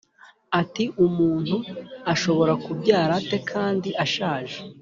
ati “umuntu ashobora kubyarwa ate kandi ashaje?”